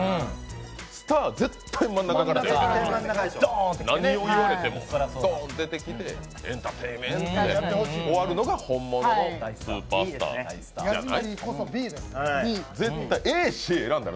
スター、絶対真ん中から出るドーンと何を言われてもどーんと出てきてエンターテイメンッ！って終わるのが本物のスーパースターじゃない？